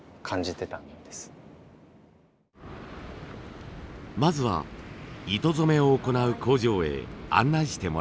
まずは糸染めを行う工場へ案内してもらいました。